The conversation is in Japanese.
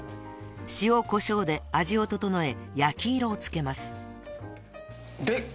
［塩こしょうで味を調え焼き色を付けます］